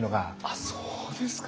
あっそうですか。